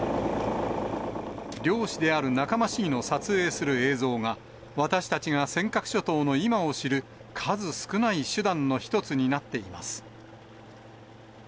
漁師である仲間市議の撮影する映像が、私たちが尖閣諸島の今を知る数少ない手段の一つになっています。